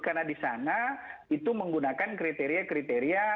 karena di sana itu menggunakan kriteria kriteria